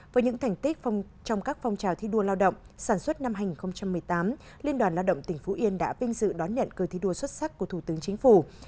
với những thành tích trong các phong trào thi đua lao động sản xuất năm hai nghìn một mươi tám liên đoàn lao động tỉnh phú yên đã vinh dự đón nhận cơ thi đua xuất sắc của thủ tướng chính phủ